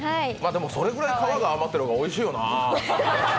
でも、それぐらい皮が余ってる方がおいしいよなあ。